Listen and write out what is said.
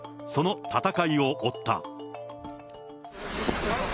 その戦いを追った。